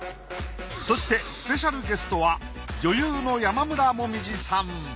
そしてスペシャルゲストは女優の山村紅葉さん